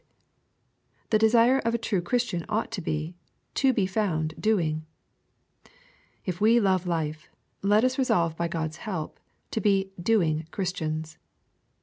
The desire of a true Chris tian ought to be, to be found " doing." If we love life, let us resolve by God's help, to be "doing" Christians.